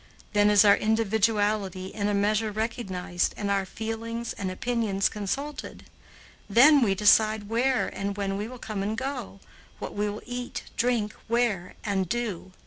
Then is our individuality in a measure recognized and our feelings and opinions consulted; then we decide where and when we will come and go, what we will eat, drink, wear, and do.